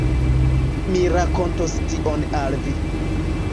Mi rakontos tion al vi.